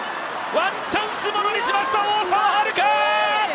ワンチャンス、ものにしました大澤春花！